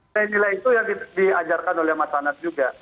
dan nilai itu yang diajarkan oleh masyarakat juga